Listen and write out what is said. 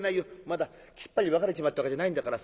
まだきっぱり別れちまったわけじゃないんだからさ。